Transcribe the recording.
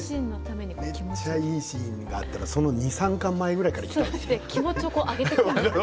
分かるめっちゃいいシーンがあったらその２、３巻前ぐらいからいきたいよね。